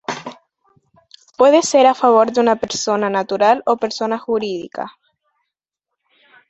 Puede ser a favor de una persona natural o persona jurídica.